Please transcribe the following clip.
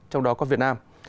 trong đó có việt nam